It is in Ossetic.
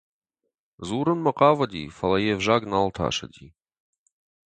Дзурынмӕ хъавыди, фӕлӕ йе ’взаг нал тасыди.